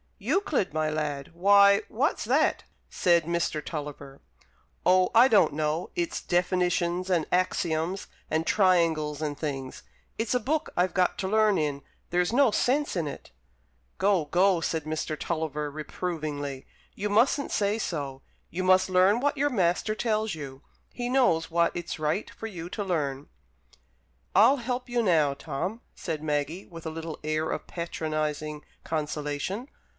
"Euclid, my lad; why, what's that?" said Mr. Tulliver. "Oh, I don't know. It's definitions, and axioms, and triangles, and things. It's a book I've got to learn in; there's no sense in it." "Go, go!" said Mr. Tulliver, reprovingly, "you mustn't say so. You must learn what your master tells you. He knows what it's right for you to learn." "I'll help you now, Tom," said Maggie, with a little air of patronizing consolation.